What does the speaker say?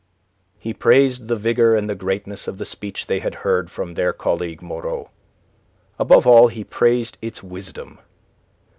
He praised the vigour and the greatness of the speech they had heard from their colleague Moreau. Above all he praised its wisdom.